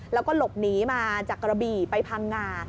แล้วก็หลบหนีมาจากกระบี่ไปพังงา